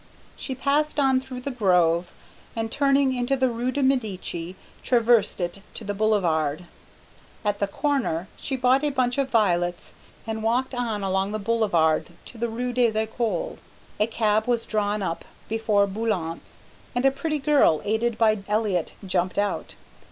She passed on through the grove, and turning into the rue de Medici, traversed it to the Boulevard. At the corner she bought a bunch of violets and walked on along the Boulevard to the rue des Écoles. A cab was drawn up before Boulant's, and a pretty girl aided by Elliott jumped out.